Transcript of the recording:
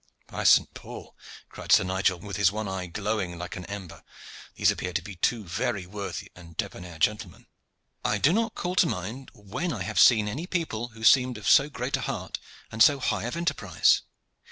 "By Saint Paul!" cried Sir Nigel, with his one eye glowing like an ember, "these appear to be two very worthy and debonair gentlemen. I do not call to mind when I have seen any people who seemed of so great a heart and so high of enterprise.